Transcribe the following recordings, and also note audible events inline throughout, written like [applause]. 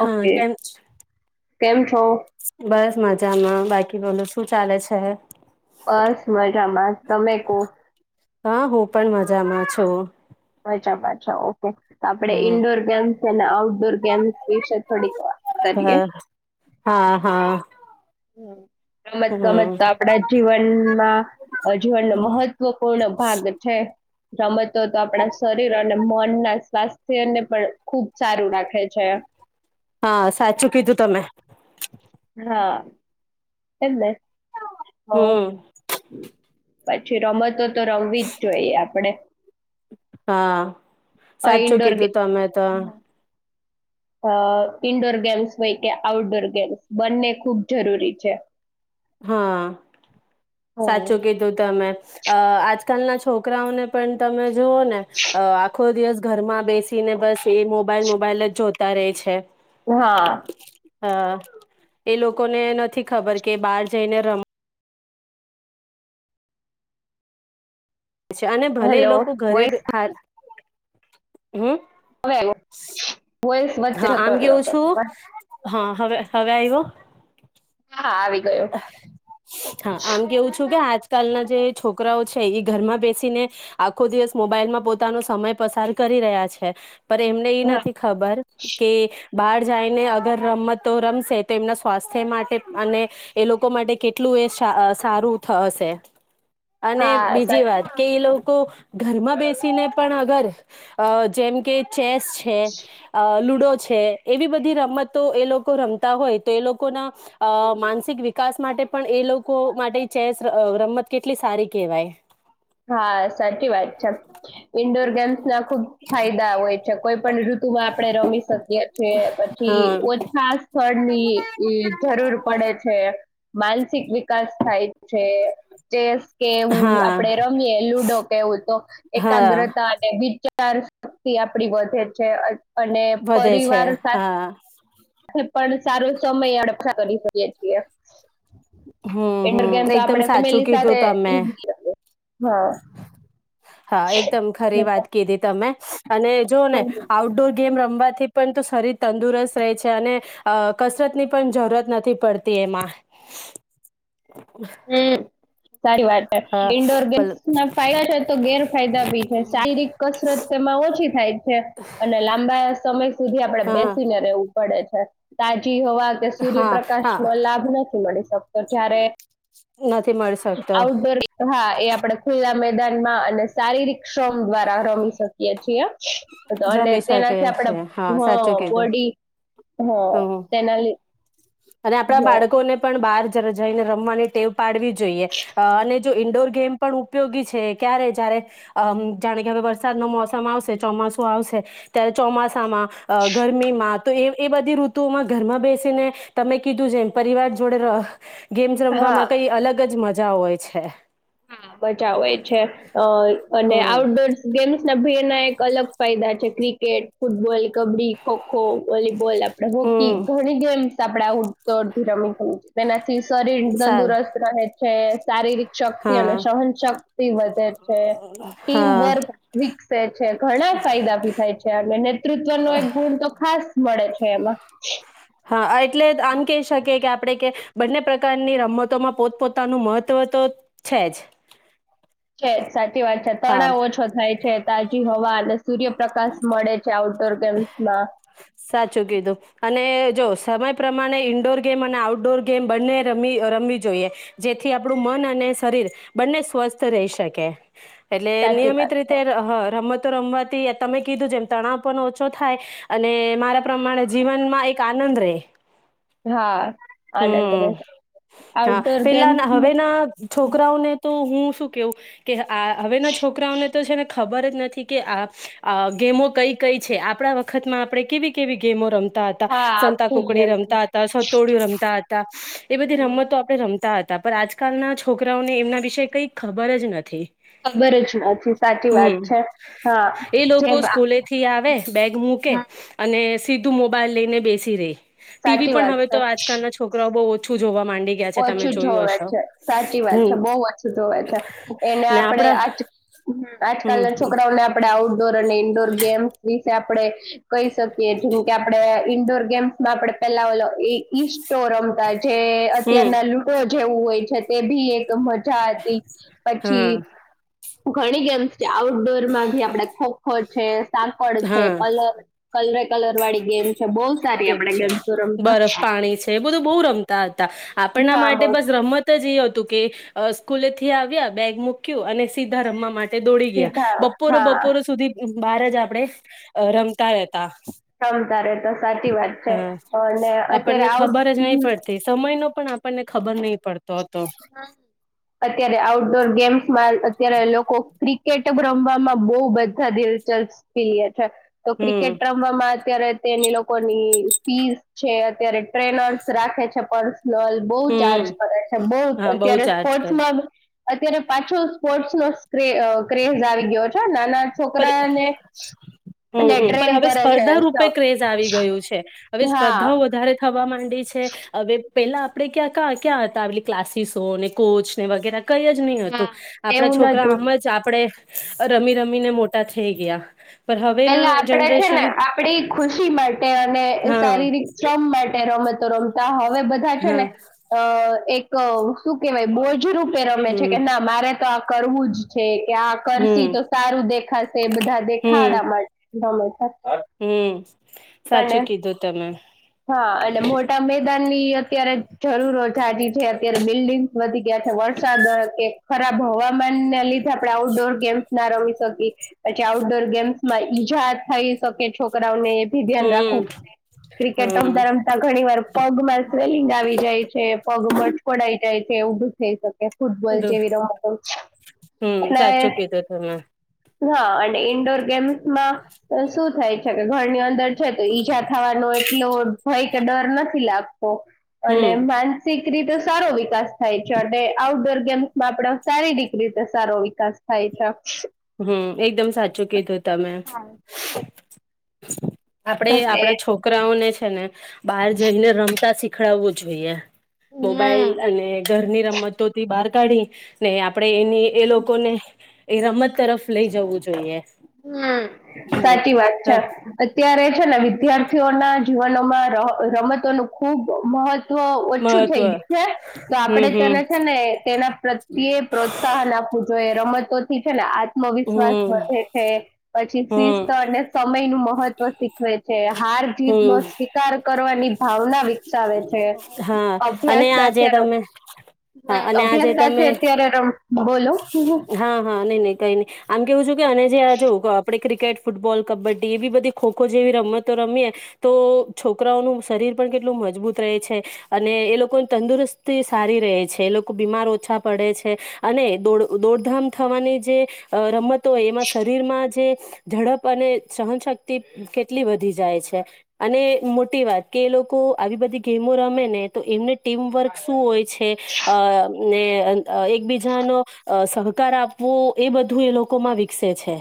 હા ઓકે કેમ છો? કેમ છો બસ મજામાં બાકી બોલું છ શું ચાલે છે? બસ મજામાંત તમે કો. હા હું પણ મજામાં છું. અચ્છા પાછા ઓકે. તો આપડે હમ ઇન્ડોર ગેમ ત આવ ઇન્ડોર વિશે થોડીક વાત કરીએ. હા હા હમ. રમત ગમત હમ તો આપણા જીવનમાં, જીવનનો મહત્વપૂર્ણ ભાગ છે. સમત તો આપણા શરીર અને મનના સ્વાસ્થ્ય તેને પણ ખૂબ સારું રાખે છે. હા સાચું કીધું તમે. હા એજ ને. હ. હમ પછી રમતો તો રમવી જ જોઈએ આપણે. હા સાચું ઇન્ડોર કીધું તમે તો ગેમ અ ઈન્ડોર ગેમ્સ હોય કે, આઉટડોર ગેમ્સ બંને ખૂબ જરૂરી છે. હા, હમ. સાચું કીધું તમે. અ આજકાલના છોકરાઓને પણ તમે જુઓ ને આખો દિવસ ઘરમાં બેસી ને બસ એ મોબાઈલ મોબાઈલ જ જોતા રહે છે. હા હ એ લોકોને નથી ખબર કે બાર જઈને રમ છે, અને ભલે એ હેલો લોકો ઘરે વોઇસ હાલ હમ હવે આવ્યો વોઇસ. વચ્ચે હા જતો આમ રહ્યો કેવું હતો. છું. હા હવે હવે આવ્યો હા આવી ગયો હા, આમ કેવું છું કે આજ કલના જે છોકરાઓ છે એ ઘરમાં બેસીને આખો દિવસ મોબાઈલમાં પોતાનો સમય પસાર કરી રહ્યા છે. પર એમને એ હા નથી ખબર કે બહાર જઈને અગર રમતો રમશે તો એમના સ્વાસ્થ્ય માટે અને એ લોકો માટે કેટલું એ સા અહ સારું થશે. અને હા. બીજી વાત કે એ લોક કો ઘરમાં બેસીને પણ અગર અહ જેમ કે તેસ છે અહ લુ ડો છે એવી બધી રમતો એ લોકો રમતા હોય તો એ લોકો ના અહ માનસિક વિ વિકાસ માટે પણ એ લોકો માટે ચેસ અહ રમત કેટલી સારી કેહેવાય. હા, સાચી વાત છે. ઈન્ડોર ગેમ્સ ના ખુબ ફાયદા હોય છે. કોઈ પણ ઋતુમાં આપણે રમી શકીએ છીએ પછી હા ઓછા સ્થળની જરૂર પડે છે. માનસિક વિકાસ થાય છે. ચેસ કે એવું આ આપડે હા રમીએ લુડો કે એવું તો હા એકાગ્રતા અને વિ ચાર શક્તિ આપડી વધે છે. અને વધે છે પરિવાર સાથ હા એ પણ સારો સમય અડપતા કરી શકીએ છીએ. હમ્મ, ઇન્ડોર હમ્મ. ગેમ્સ એકદમ આપણે સાચું ફેમિલી કીધું સાથે તમે. હા. હા, એકદમ ખરી વાત કીધી તમે. અને જોઓ ને આઉટડોર ગેમ રમવાથી પણ તો શરીર તંદુરસ્ત રહે છે અને અહ કસરતની પણ જરૂરત નથી પડતી એમાં. હમ્મ. સારી વાત છે હા ઈન્ડોર ગેમ્સ ભલે ના ફાયદા છે તો ગેરફાયદા બી છે શારીરિક કસરત તેમાં ઓછી થાય. છે અને લાંબા સમય સુધી આપડે હા બેસીને રહેવું પડે છે સા હોવા કે હા સૂર્યપ્રકાશ હા ન લાભ નથી મળી શકતો જ્યારે નથી મળી શકતો આડોર હા એ આપણે ખુલ્લા મેદાનમાં અને શારીરિક શ્રમ દ્વારા રમી શકીએ છીએ. તો અને રમી શકે તેનાથી આપડે છે હા હ સાચું કીધું બોડી હ હમ તેના લ અને આપણા બાળકો ને પણ બહાર જઈને રમવાની ટેવ પાડવી. જોઈએ અને જો ઈન્ડોર ગેમ પણ ઉપયોગી છે ક્યારે જયારે અ જાણે કે હવે વરસાદ ન મોસમ આવશે ચોમાસું આવશે ત્યારે ચોમાસામાં. અ ગરમીમાં તો એ બધી. ઋતુમાં ઘરમાં બેસીને તમે કીધું જેમ પરિવાર જોડે. ગેમ્સ હા રમવામાં કઈ અલગ જ મ મજા હોય છે. હા બચાવય છે અ અને હમ આઉટડોર ગેમ્ ભેડના એક અલગ ફાયદા છે cricket football kabaddi kho kho. Volleyball આપડે હોકી હમ ઘણી ગેમ્સ આપડે આવું. તોડથી રમી ગયું છેના. શરીર સારું તંદુરસ્ત રહે છે શારીરિક શક્તિ અને હા સહન શક્તિ વધે છે ટીમ હા વર્ક વિકસે છે ઘણા ફાયદા ભી થાય છે અને નેતૃત્વ નો એક ગુણ તો ખાસ મળે છે. હ એમાં. હા એટલે આમ કહી શકી કે આપણે કે બંને પ્રકારની રમતોમાં પોતપોતાનું મહત્વ તો છે જ. સાચ. વાત છે હા તણાવ ઓછો થાય છે. તાજી હવા અને સૂર્યપ્રકાશ મળે છે આઉટડોર ગેમ્સમાં. સાચું કીધું અને જો સમય પ્રમાણે ઈન્ડોર ગેમ અને આઉટડોર ગેમ બંને રમ-રમવી જોઈએ જેથી આપડું મન અને શરીર બંને સ્વસ્થ રહી શકે. એટલે સાચી નિયમિત વાત છે રીતે હા રમત તો રમવાથી તમે કીધું જેમ તણાવ પણ ઓછો થાય અને મારા પ્પ્રમાણે જીવનમાં એક આનંદ રહેે. હા. આનંદ હમ્મ, રહેશે હા. આઉટડોર પેલા ગેમ્સ ના હવેના છોકરાઓ ને તો હું શું કેવું કે હ આ હવેના છોકરાઓને તો છેને ખબર જ નથી કે, આ આ ગેમો કઈ કઈ છે આપડા વખતમાં આપડે કેવી કેવી ગેમો રમ તા હતા. હા સંતા ખૂબ કુકડી ગેમ રમતા હતા, સટોડિયું રમ હતા, એ બધી રમતો આપણે રમતા હતા પણ આજકાલના છોકરાઓને એમના વિશેે કઈ ખબર જ નથી ખબર જ નથી સાચી વાત હમ છે હા, એ જે લોકો સ્કૂલેથી આવે બેગ હ મૂકે અને સીધું મોબાઈલ લઈને બેસી રે ટીવી સાચી પણ વાત હવે છે તો આજ છોરાઓ બુવ ઓછું જોવા માંડે ઓછું જોવે છે, સાચી વાત છે હમ બહુ ઓછું જોવે છે, એને અને આપડે આપડા આ હમ આજકાલના છોકરાઓને આપડે આઉટડોર અને ઇન્ડોર ગેમ્સ વિશે આપણે કહી શકીએ, જેમ કે આપણે ઇન્ડોર ગેમ્સમાં આપે પેલા ઓ ઈસ્ટો રમતા જે હમ [unintelligible] જેવું હોય છે તે ભી એક છા હતી, હા પછી ઘણી ગેમ્સ જે આઉટડોરમાં ભી આપડે ખો હોય છે સાકડ છે, હા કલર કલરે કલર વાળી ગેમ છે બહુ સારી કેમ આપણે છે, ગેમ્સ રમતા બરફ પાણી છે. એ બધું બહુ રમતા હતા. આપણા હા માટે બહુ બસ રમત બચપણ ઈ હતું કે સ્કૂલે થી આવ્યા, બેગ મૂક્યું અને સીધા રમવા માટે દોડી ગયા, સીધા બપોરો હા બપોરો સુધી બહાર જ આપડે અ રમતા રહેતા. ચાલો ત્યારે. સાચી વાત છે. હા અને અત્યારે આપણને આવ ખબર જ નહી પડતી સમય નો પણ આપણને ખબર નહીં પડતો હ અત્યારે આઉટડોર ગેમ્સમાં અત્યારે લોકો ક્રિક કેટ રમવામાં બહુ બધા દિલચસ્પ [unintelligible] છે, તો હમ ક્રિકેટ રમવામાં અત્યારે તેન ઈ લોક કોની ફીસ છે, અત્યારે ટ્રેનર્સ રાખે છે પર્સ નલ બહુ હમ ચાર્જ કરે છે, બહુ હા બહુ અત્યારે ચાર્જ કર સ્પોર્ટ્સમાં અત્યારે પાછો સ્પોર્ટસ નો સ્ક્રે અહ ક્રેઝ આવી ગયો છે નાના પણ, છોકરાને હમ્મ-હમ્મ. પણ ટ્રેન હવે કરે છે સ્પર્ધા રૂપે ક્રેઝ આવી ગયું છે, હવે હા સ્પર્ધા વધારે થવા માંડી છે, હવે પહેલા આપડે ક્યાં કા ક્યાં હતા ઓલી ક્લાસીસોને, કોચને વગેરા કંઈ જ નહી હતું. આપણા એવું છોકરા નતું આમ જ આપણેે અહ રમી રમ મી ને મોટા થઈ ગયા. પેલા આપડે છે જનરેશન ને આપડી ખુશી માટે [unintelligible] હા શારીરિક શ્રમ માટે રમત તો રમતા હ હવે બધા છે હા ને એક ક શું કેવાય બોજ રૂપે રમે છે હમ કે, ના મારે તો કરવું જ છે. કે આ કરસી હમ તો સારું દેખાશે, બધા દેખાડા રમે છે. હમ્મ. અને સાચું કીધું તમે. હા, એટલે મોટા મે દાનની અ ત્યારે જરૂરો જાજી છે. અત્યારે બિલ્ડિંગ વધી ગ્યા છે, વરસાદ હોય કે ખરાબ હવામાનના લી ધે આપળે આઉટડોર ગેમ્સ ના રમી શકી. પછી આઉટડોર ગેમ્સ માં ઈજા થઈ શકે છોકરાઓને તેથી ધ્યાન રાખું હમ હમ રમતા રમતા ઘણી વાર પગમાં સ્્રેલિંગ આવી જાય છે પગમાંકોડાય એવું બું થઈ શ. કે ફૂટબોલ જેવી રમતો હમ એલે. સાચું કીધું તમે હા અને ઈન્ડોર ગેમ્સમાં શું થાય છે કે ઘરની અંદર. તો ઈજા થવાનું. ભાઈ કે ડર નથી લાઞતો અને હમ માનસિક. રીતે સારો વિકાસ. થાય છે અને આઉટડોર. માં આપડ સારી દીગરી રીતે સારો વિકાસ થાય છે. હમ એકદમ સાચું કીધું તમે. હા [inaudible] આપણેે એટલે આપણા છોકરાઓને. છે [unintelligible] બહાર જઈને રમતા શીખ. દખડાવવું જ હોઈએ. મોબાઈલ હમ અને ઘરની રમતોથી બાર. કાઢી ને આપણે એની એ લોકોને એ રમત. તરફ લઈ જવું જોઈએ. હમ સાચી વાત છે હમ અત્યારે. ને વિદ્યાર્થીઓ ના. જીવનોમાં રમતોનું ખૂબ મહત્વ. ઓછું મહત્વ થઈ છે તો હમ આપડે હમ તેને છે ને તેના. એ પ્રોત્સાહન આપવું જોઈએ રમતોથી છે ને આત્મવિશ્વાસ હમ વધે. પછી હમ શિસ્ત અને સમય નું મહત્વ શીખવે છે હાર જીત નો હમ શિકાર કરવાની. ભાવના વિકસાવે છે હા અને અભ્યાસ છે આજે તમે હા અને આજે અભ્યાસતા છે તમે અત્યારે. બોલો હા હા નઈ નહી કઈ નહી આમ કેવું છું કે. જ આપણે. આપે ક્રિકેટ ફૂટબોલ કબડ્ડી એવી બધી ખોખો જેવી રમતો રમીએ તો છોકરાઓનું શરીર પણ કેટલું મજબૂત રહે છે અને એ લોકોની તંદુરસ્તી સારી રહે છે એ લોકો બીમાર ઓછા પડે છે. અને દોડ દોડધામ થવાની જે અ રમત તો એમાં શરીરમાં જે ઝડપ અને સહનશક્તિ કેટલી વધી જાય છે અને મોટી વાત કે એ લોકો આવી બધી ગેમો રમે ને તો એમને ટીમવર્ક શું હોય છે એ અ ને એક બીજા એકબીજાનો સહકાર આપવો એ બધું એ લોકો માં વિકસે છે.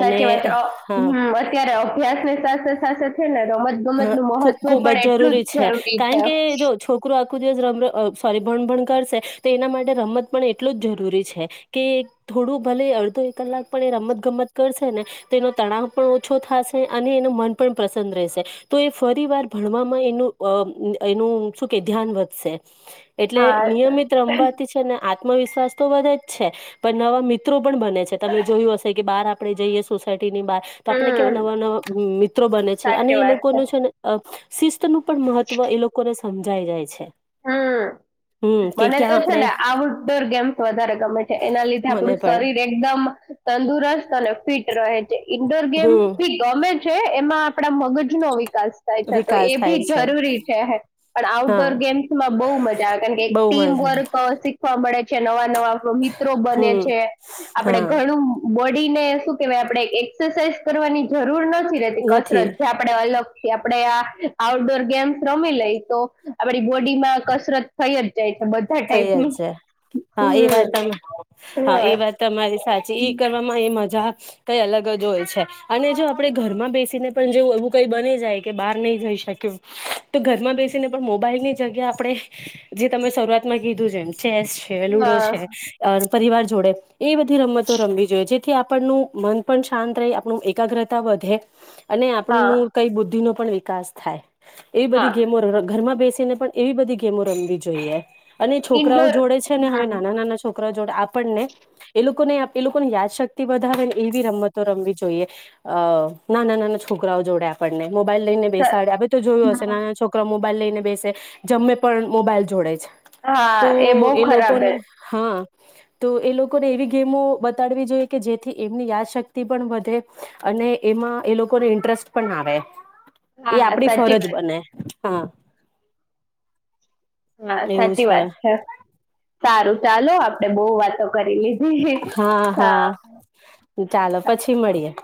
અને વાત અ હા હમ અત્યારે અભ્યાસ ને સાથે સાથે છે ને. રમત હા ગમતનું ખૂબ મહત્વ ખૂબ પણ જ એટલું જરૂરી જ છે જરૂરી છે કારણ કે જો છોકરુ આખું દિવસ રમ રમ અ સોરી ભણ ભણ કરશે તો એના માટે રમત પણ એટલું જ જરૂરી છે કે થોડું ભલે અડધો એક કલાક પણ એ રમત ગમત કરશે ને તો એનો તણાવ પણ ઓછો થાશે અને એનો મન પણ પ્રસન્ન રહેશે તો એ ફરી વાર ભણવામાં એનું એનું શું કે ધ્યાન વધશે એટલે હા નિયમિત રમવાથી છે ને આત્મવિશ્વાસ તો વધે જ છે પણ નવા મિત્રો પણ બને છે તમે જોયું હશે કે બહાર આપણે જઈએ સોસાયટી ની બાર તો આપણે હમ કેવા નવા નવા મિત્રો બને છે, અને સાચી એ વાત લોકો છે [unintelligible] શિસ્ત નું પણ મહત્વ એ લોકોને હમજાય જાય છે હમ, હમ કે મને તો ક્યાં છે આપણે ને આઉટડોર ગેમ્સ વધારે ગમે છે એના લીધે મને આપડું પણ શરીર એકદમ તંદુરસ્ત અને ફિટ રહે છે ઈન્ડોર ગેમ હમ બી ગમે છે એમાં આપણા મગજ નો વિ વિકાસ થાય છે તો વિકાસ એ થાય બી છે જરૂરી છે, પણ હા આઉટડોર ગેમ બહુ મજા આવે કેમ કે એક બહુ ટીમ મજા વર્ક શીખવામાં મળે છે, નવા નવા આપણા મિત્રો બને હમ છે, આપણે હા ઘણું બોડી ને શું કેહેવાય આપણે એક એક્સરસાઇઝ કરવાની જરૂર જરૂર નથી રહેતી, નથી કસરત જે આપણેે અલગ આપણે આ આઉટડોર ગેમ્સ રમી લઈ તો આપણી બોડી ડી માં કસરત થઈ જ જાય છે બધા થઈ ગયેલ ટાઈપની છે, હા એ વાત હમ હા એ વાત તમારી સાચી એ કરવામાં એ મજા કઈ અલગ જ હોય છે, અને જો આપણે ઘરમાં બેસીને પણ જો એવું કઈ બની જાય કે બાર ની જઈ શકીએ તો ઘરમાં બેસીને પણ મોબાઈલની જગ્યા આપણે જે તમે શરૂઆત મે કીધું જ એમ ચેસ છે, લુડો હા છે પરિવાર જોડે એ બધી રમતો રમવી જોઈએ જેથી આપણનું મન પણ શાંત રહે આપણું એકાગ્રતા વધે અને હા આપણું કઈ બુદ્ધિ નો પણ વિકા વિકાસ થાય એવી બધી હા ગેમો, ઘરમાં બે બેસીને પણ એવી બધી ગેમો રમવી જોઈએ અને છોકરાઓ ઇન્ડોર જોડે છે ને હવે હમ નાના નાના છોકરા છોકરા જોડે આપણને એ લોકોને એ લોકોની યાદશક્તિ વધાવે ને એવી રમતો રમવી જોઈએ નાના નાના છોકરાઓ જોડે આપણને મોબાઈલ લઈને સ બેસાડે, અમે તો જોયું હશે નાના છોકરા મોબાઈલ લઈને બેસે જમમે પણ મોબાઈલ જોડે જ. હા તો બહુ એ ખરાબ લોકોને હે હા તો એ લોકોને એવી ગેમો બતાડવી જોઈએ કે જેથી એમની યાદશક્તિ પણ વધે અને એમાં એ લોકોને ઇન્ટરેસ્ટ પણ આવે. એ હા આપડી સાચી ફરજ વાત બને. હા. હા, એ સાચી વ વાત છે. સારું ચાલો આપડે બહુ વાતો કરી લી હા, હા. તો ચાલો પછી મળીએે. [inaudible]